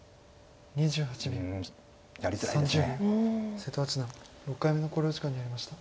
瀬戸八段６回目の考慮時間に入りました。